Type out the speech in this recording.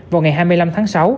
vào ngày hai mươi năm tháng sáu